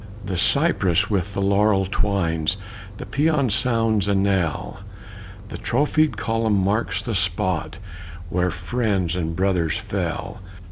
The cypress with the laurel twines The pæan sounds a knell, The trophied column marks the spot Where friends and brothers fell.